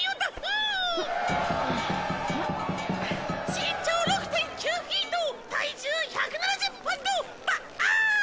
身長６．９フィート体重１７０ポンドバーン！